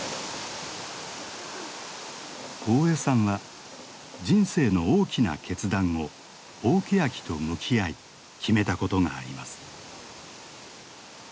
大江さんは人生の大きな決断を大ケヤキと向き合い決めたことがあります。